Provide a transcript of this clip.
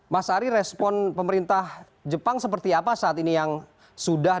mas ari respon pemerintah jepang seperti apa saat ini yang sudah